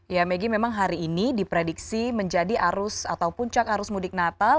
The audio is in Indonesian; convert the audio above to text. ya megi memang hari ini diprediksi menjadi arus atau puncak arus mudik natal